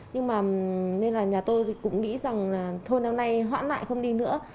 nhưng mà nên là nhà tôi cũng nghĩ rằng là thôn năm nay hoãn lại không đi nữa